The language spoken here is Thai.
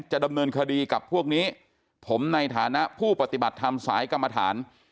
จะดำเนินคดีกับพวกนี้ผมในฐานะผู้ปฏิบัติธรรมสายกรรมฐาน